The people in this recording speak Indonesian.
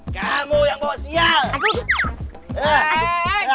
kamu yang bawa sial